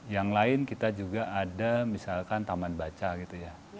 yang lain kita juga ada misalkan taman baca gitu ya